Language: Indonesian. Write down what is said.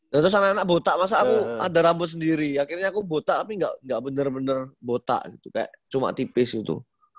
terus anak anak buta masa aku ada rambut sendiri akhirnya aku buta tapi gak bener bener buta gitu kayak cuma tipis gitu